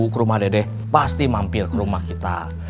ke rumah dede pasti mampir ke rumah kita